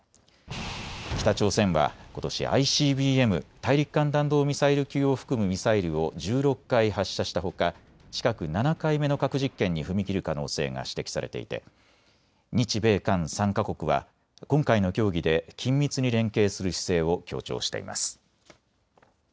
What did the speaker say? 北朝鮮はことしＩＣＢＭ・大陸間弾道ミサイル級を含むミサイルを１６回発射したほか、近く７回目の核実験に踏み切る可能性が指摘されていて日米韓３か国は今回の協議で緊密に連携する姿勢を強調しています。